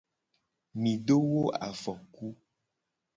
Mi do wo afoku.